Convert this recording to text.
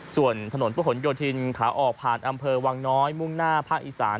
ส่วนถนนพระหลโยธินขาออกผ่านอำเภอวังน้อยมุ่งหน้าภาคอีสาน